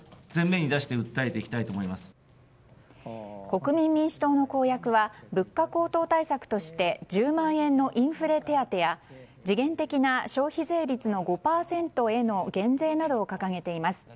国民民主党の公約は物価高騰対策として１０万円のインフレ手当や時限的な消費税率の５％への減税などを掲げています。